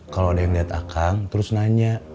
kalau ada yang lihat akang terus nanya